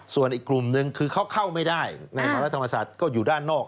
ส่วนอีกกลุ่มนึงคือเขาเข้าไม่ได้ในมรธรรมศาสตร์ก็อยู่ด้านนอก